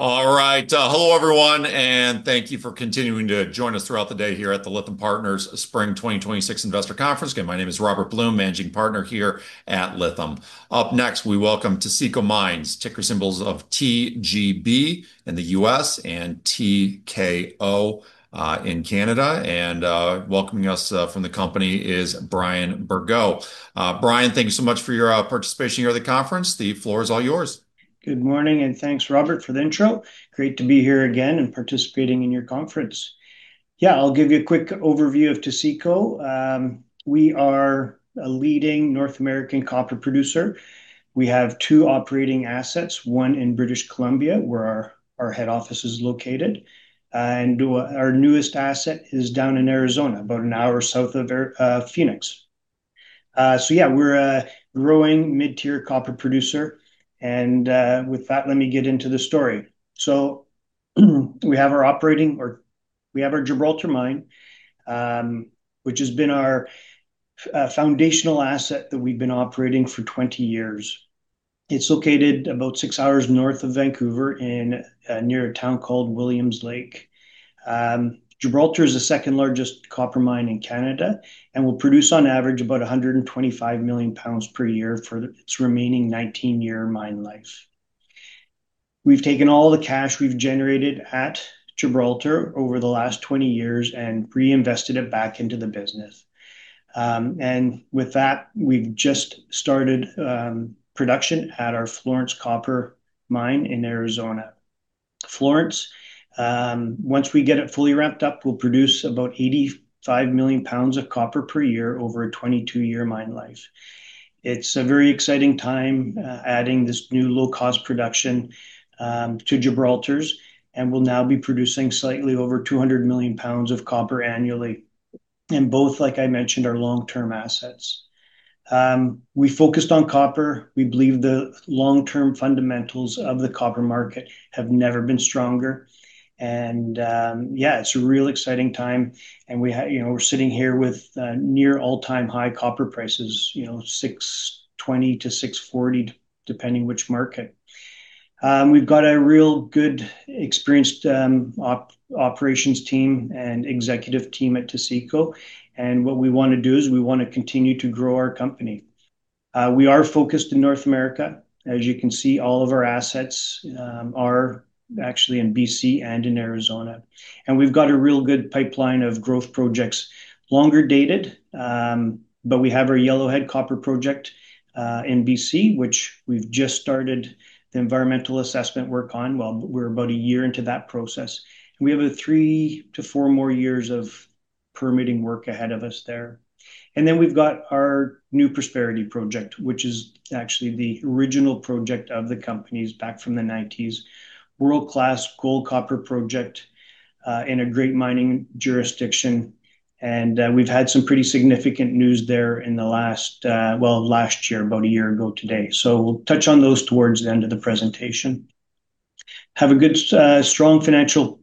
All right. Hello everyone, and thank you for continuing to join us throughout the day here at the Lytham Partners Spring 2026 Investor Conference. Again, my name is Robert Blum, Managing Partner here at Lytham. Up next, we welcome Taseko Mines, ticker symbols of TGB in the U.S. and TKO in Canada. Welcoming us from the company is Brian Bergot. Brian, thank you so much for your participation here at the conference. The floor is all yours. Good morning, and thanks, Robert, for the intro. Great to be here again and participating in your conference. Yeah, I'll give you a quick overview of Taseko. We are a leading North American copper producer. We have two operating assets, one in British Columbia, where our head office is located, and our newest asset is down in Arizona, about an hour south of Phoenix. Yeah, we're a growing mid-tier copper producer and, with that, let me get into the story. We have our Gibraltar mine, which has been our foundational asset that we've been operating for 20 years. It's located about six hours north of Vancouver near a town called Williams Lake. Gibraltar is the second-largest copper mine in Canada and will produce, on average, about 125 million pounds per year for its remaining 19-year mine life. We've taken all the cash we've generated at Gibraltar over the last 20 years and reinvested it back into the business. With that, we've just started production at our Florence copper mine in Arizona. Florence, once we get it fully ramped up, will produce about 85 million pounds of copper per year over a 22-year mine life. It's a very exciting time, adding this new low-cost production to Gibraltar's. We'll now be producing slightly over 200 million pounds of copper annually. Both, like I mentioned, are long-term assets. We focused on copper. We believe the long-term fundamentals of the copper market have never been stronger. It's a real exciting time. We're sitting here with near all-time high copper prices, 620-640, depending which market. We've got a real good, experienced operations team and executive team at Taseko. What we want to do is we want to continue to grow our company. We are focused in North America. As you can see, all of our assets are actually in BC and in Arizona. We've got a real good pipeline of growth projects, longer dated, but we have our Yellowhead copper project, in BC, which we've just started the environmental assessment work on. Well, we're about a year into that process. We have three to four more years of permitting work ahead of us there. We've got our New Prosperity project, which is actually the original project of the company's back from the 1990s, world-class gold copper project, in a great mining jurisdiction. We've had some pretty significant news there in the last, well, last year, about a year ago today. We'll touch on those towards the end of the presentation. Have a good, strong financial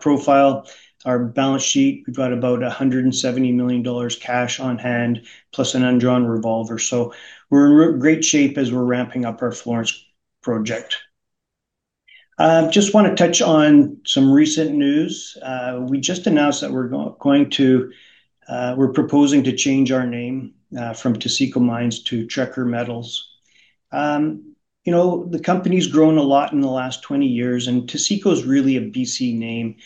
profile. Our balance sheet, we've got about 170 million dollars cash on hand plus an undrawn revolver. We're in great shape as we're ramping up our Florence project. Just want to touch on some recent news. We just announced that we're proposing to change our name from Taseko Mines to Trekor Metals. The company's grown a lot in the last 20 years. Taseko's really a B.C. name.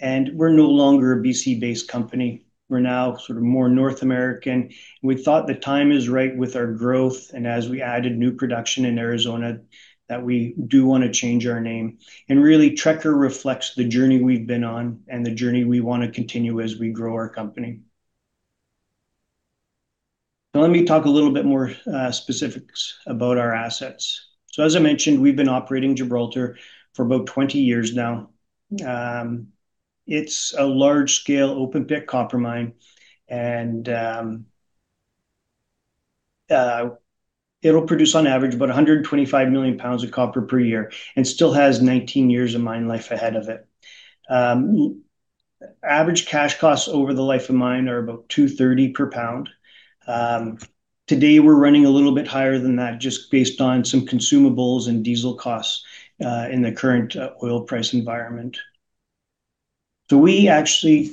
We're no longer a B.C.-based company. We're now more North American. We thought the time is right with our growth and as we added new production in Arizona, that we do want to change our name. Really, Trekor reflects the journey we've been on and the journey we want to continue as we grow our company. Let me talk a little bit more specifics about our assets. As I mentioned, we've been operating Gibraltar for about 20 years now. It's a large-scale open-pit copper mine, and it'll produce on average about 125 million pounds of copper per year and still has 19 years of mine life ahead of it. Average cash costs over the life of mine are about 230 per pound. Today, we're running a little bit higher than that, just based on some consumables and diesel costs, in the current oil price environment. We actually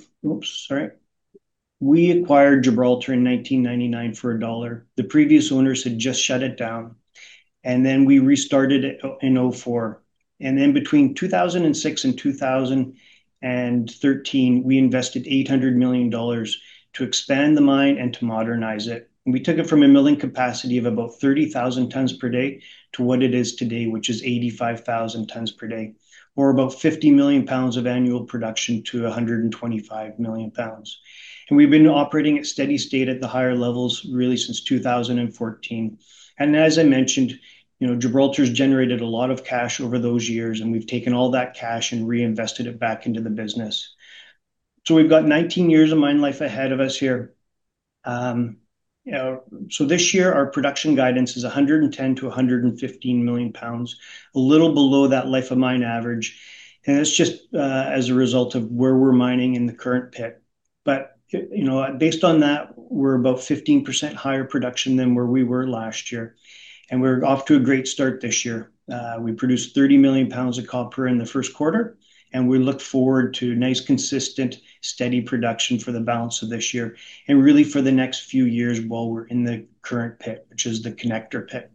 acquired Gibraltar in 1999 for CAD 1. The previous owners had just shut it down, and then we restarted it in 2004. Between 2006 and 2013, we invested 800 million dollars to expand the mine and to modernize it. We took it from a milling capacity of about 30,000 tonnes per day to what it is today, which is 85,000 tonnes per day, or about 50 million pounds of annual production to 125 million pounds. We've been operating at steady state at the higher levels really since 2014. As I mentioned, Gibraltar's generated a lot of cash over those years, and we've taken all that cash and reinvested it back into the business. We've got 19 years of mine life ahead of us here. This year, our production guidance is 110 million-115 million pounds, a little below that life of mine average. It's just as a result of where we're mining in the current pit. Based on that, we're about 15% higher production than where we were last year. We're off to a great start this year. We produced 30 million pounds of copper in the first quarter. We look forward to nice, consistent, steady production for the balance of this year, and really for the next few years while we're in the current pit, which is the Connector pit.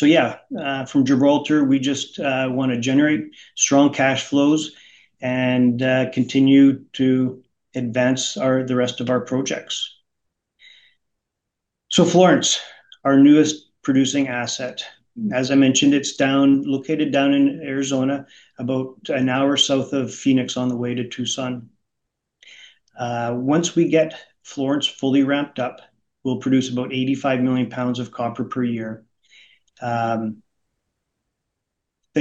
Yeah, from Gibraltar, we just want to generate strong cash flows and continue to advance the rest of our projects. Florence, our newest producing asset. As I mentioned, it's located down in Arizona, about an hour south of Phoenix on the way to Tucson. Once we get Florence fully ramped up, we'll produce about 85 million pounds of copper per year. Thing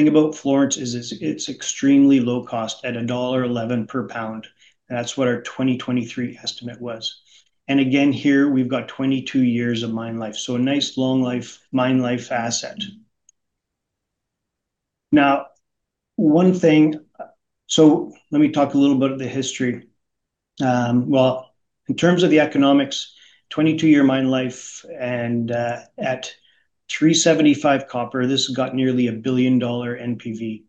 about Florence is it's extremely low cost at a dollar 1.11 per pound. That's what our 2023 estimate was. Again, here we've got 22 years of mine life. A nice long life, mine life asset. Let me talk a little bit of the history. Well, in terms of the economics, 22-year mine life and, at 375 copper, this has got nearly a 1 billion dollar NPV.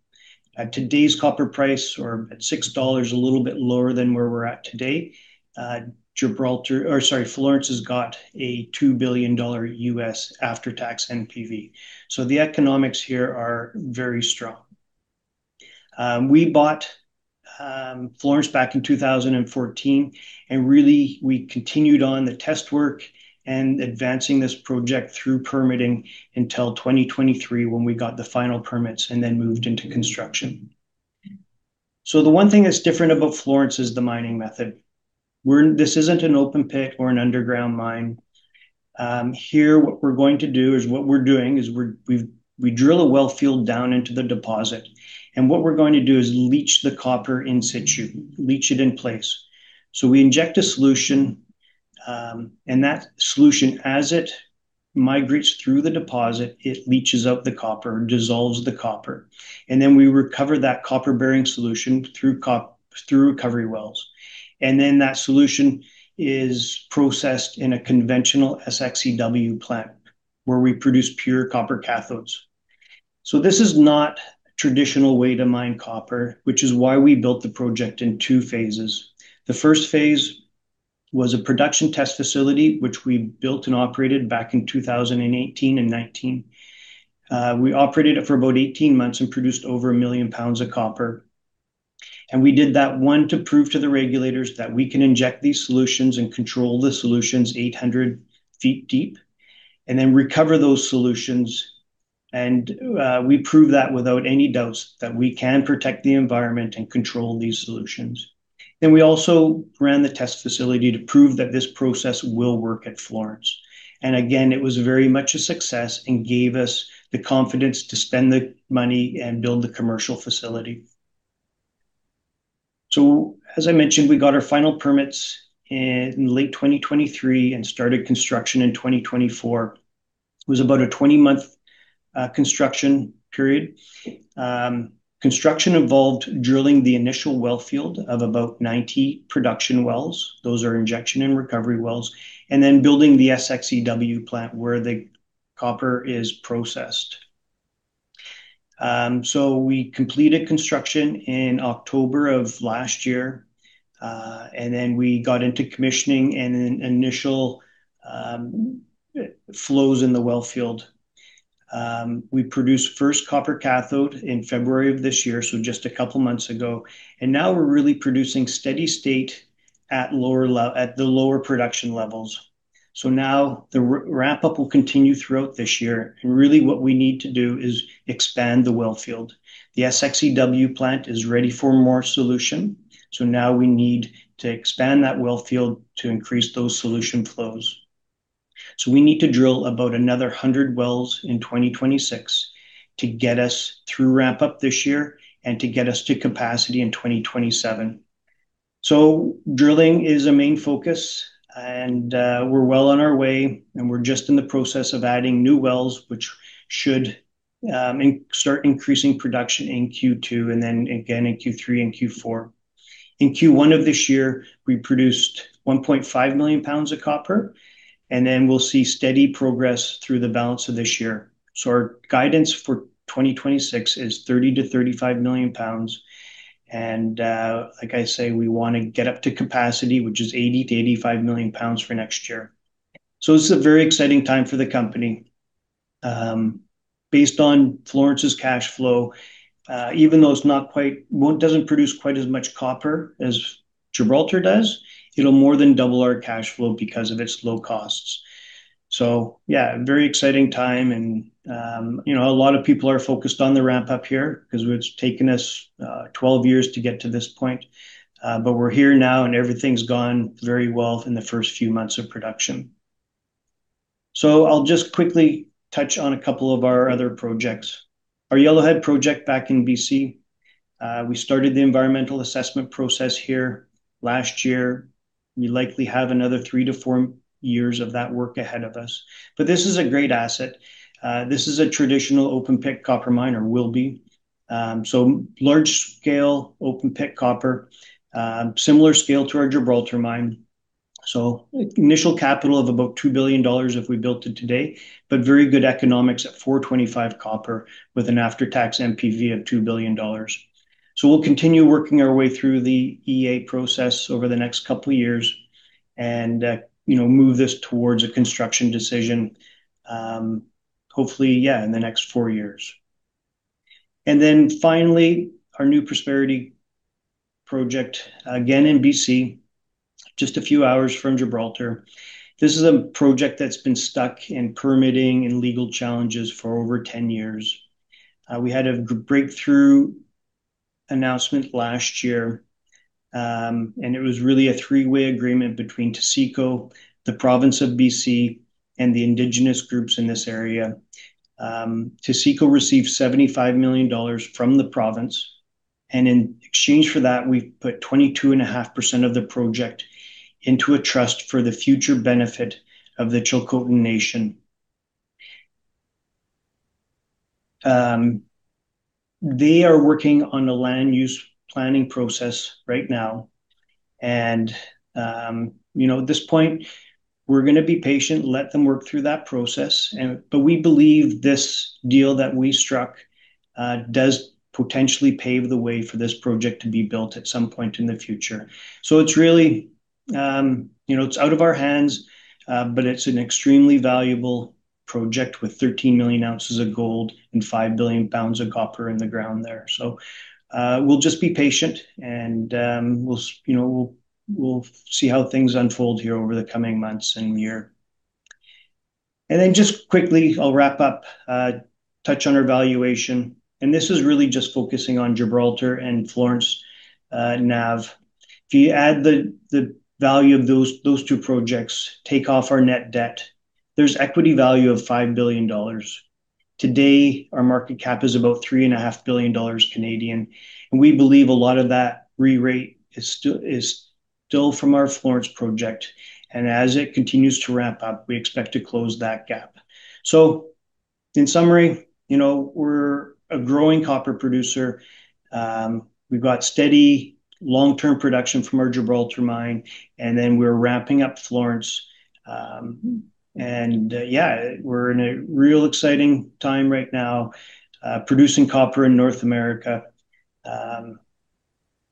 At today's copper price or at 6 dollars, a little bit lower than where we're at today, Gibraltar, or sorry, Florence has got a $2 billion U.S. after-tax NPV. The economics here are very strong. We bought Florence back in 2014, and really we continued on the test work and advancing this project through permitting until 2023 when we got the final permits and then moved into construction. The one thing that's different about Florence is the mining method. This isn't an open pit or an underground mine. Here, what we're doing is we drill a well field down into the deposit, and what we're going to do is leach the copper in situ, leach it in place. We inject a solution, and that solution, as it migrates through the deposit, it leaches out the copper and dissolves the copper. We recover that copper-bearing solution through recovery wells. That solution is processed in a conventional SX/EW plant, where we produce pure copper cathodes. This is not traditional way to mine copper, which is why we built the project in two phases. The first phase was a production test facility, which we built and operated back in 2018 and 2019. We operated it for about 18 months and produced over a million pounds of copper. We did that, one, to prove to the regulators that we can inject these solutions and control the solutions 800 ft deep, and then recover those solutions. We proved that without any doubts that we can protect the environment and control these solutions. We also ran the test facility to prove that this process will work at Florence. Again, it was very much a success and gave us the confidence to spend the money and build the commercial facility. As I mentioned, we got our final permits in late 2023 and started construction in 2024. It was about a 20-month construction period. Construction involved drilling the initial well field of about 90 production wells. Those are injection and recovery wells. building the SX/EW plant where the copper is processed. We completed construction in October of last year. Then we got into commissioning and then initial flows in the well field. We produced first copper cathode in February of this year, so just a couple of months ago. Now we're really producing steady state at the lower production levels. Now the wrap-up will continue throughout this year, and really what we need to do is expand the well field. The SX/EW plant is ready for more solution. Now we need to expand that well field to increase those solution flows. We need to drill about another 100 wells in 2026 to get us through ramp-up this year and to get us to capacity in 2027. Drilling is a main focus and we're well on our way, and we're just in the process of adding new wells, which should start increasing production in Q2, and then again in Q3 and Q4. In Q1 of this year, we produced 1.5 million pounds of copper, and then we'll see steady progress through the balance of this year. Our guidance for 2026 is 30 million-35 million pounds. Like I say, we want to get up to capacity, which is 80 million-85 million pounds for next year. This is a very exciting time for the company. Based on Florence's cash flow, even though it doesn't produce quite as much copper as Gibraltar does, it'll more than double our cash flow because of its low costs. Yeah, very exciting time and a lot of people are focused on the ramp-up here because it's taken us 12 years to get to this point. We're here now and everything's gone very well in the first few months of production. I'll just quickly touch on a couple of our other projects. Our Yellowhead project back in B.C. We started the environmental assessment process here last year. We likely have another three to four years of that work ahead of us. This is a great asset. This is a traditional open pit copper mine, or will be. Large scale open pit copper, similar scale to our Gibraltar mine. Initial capital of about 2 billion dollars if we built it today, but very good economics at 4.25 copper with an after-tax NPV of 2 billion dollars. We'll continue working our way through the EA process over the next couple of years and move this towards a construction decision, hopefully, yeah, in the next four years. Finally, our New Prosperity project, again in B.C., just a few hours from Gibraltar. This is a project that's been stuck in permitting and legal challenges for over 10 years. We had a breakthrough announcement last year. It was really a three-way agreement between Taseko, the province of BC, and the indigenous groups in this area. Taseko received 75 million dollars from the province. In exchange for that, we've put 22.5% of the project into a trust for the future benefit of the Tŝilhqot'in Nation. They are working on a land use planning process right now. At this point, we're going to be patient, let them work through that process. We believe this deal that we struck does potentially pave the way for this project to be built at some point in the future. It's out of our hands, but it's an extremely valuable project with 13 million oz of gold and 5 billion pounds of copper in the ground there. We'll just be patient and we'll see how things unfold here over the coming months and year. Just quickly, I'll wrap up, touch on our valuation. This is really just focusing on Gibraltar and Florence NAV. If you add the value of those two projects, take off our net debt, there's equity value of 5 billion dollars. Today, our market cap is about 3.5 billion Canadian dollars. We believe a lot of that re-rate is still from our Florence project. As it continues to ramp up, we expect to close that gap. In summary, we're a growing copper producer. We've got steady long-term production from our Gibraltar mine, and then we're ramping up Florence. We're in a real exciting time right now producing copper in North America.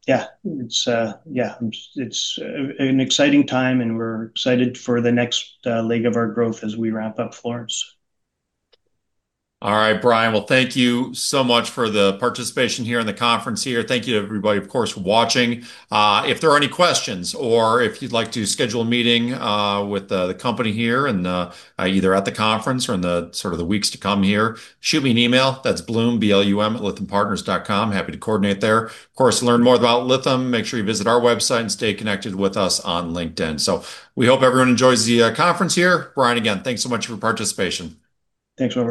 It's an exciting time, and we're excited for the next leg of our growth as we ramp up Florence. Brian. Thank you so much for the participation here in the conference here. Thank you to everybody, of course, watching. If there are any questions or if you'd like to schedule a meeting with the company here either at the conference or in the sort of the weeks to come here, shoot me an email. That's Blum, blum@lythampartners.com. Happy to coordinate there. Learn more about Lytham, make sure you visit our website and stay connected with us on LinkedIn. We hope everyone enjoys the conference here. Brian, again, thanks so much for your participation. Thanks, Robert.